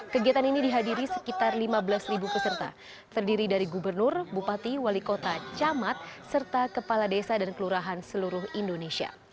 kegiatan ini dihadiri sekitar lima belas peserta terdiri dari gubernur bupati wali kota camat serta kepala desa dan kelurahan seluruh indonesia